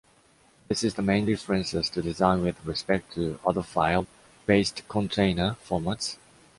This is the main difference as to design with respect to other file-based container formats.